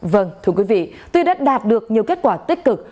vâng thưa quý vị tuy đã đạt được nhiều kết quả tích cực